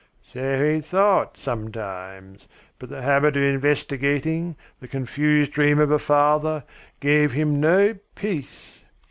"So he thought sometimes. But the habit of investigating, the confused dream of a father, gave him no peace.